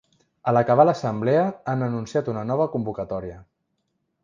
A l’acabar l’assemblea han anunciat una nova convocatòria.